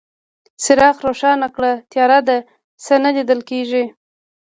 څراغ روښانه کړه، تياره ده، څه نه ليدل کيږي.